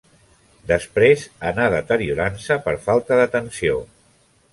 Després anà deteriorant-se per falta d'atenció.